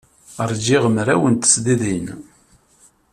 Ṛjiɣ mraw n tesdidin.